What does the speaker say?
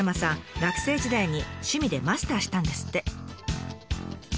学生時代に趣味でマスターしたんですって。